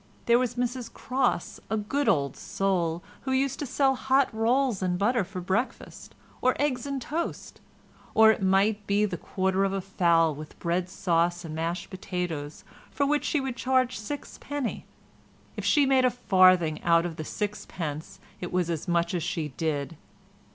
There was Mrs Cross, a good old soul, who used to sell hot rolls and butter for breakfast, or eggs and toast, or it might be the quarter of a fowl with bread sauce and mashed potatoes for which she would charge 6d. If she made a farthing out of the sixpence it was as much as she did.